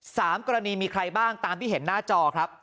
สามกรณีมีใครบ้างตามที่เห็นหน้าจอครับ